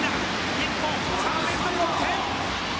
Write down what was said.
日本３連続得点！